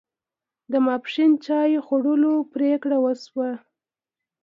د ماپښین چای خوړلو پرېکړه وشوه.